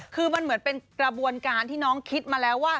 คือมันเหมือนเป็นกระบวนการที่น้องคิดมาแล้วว่า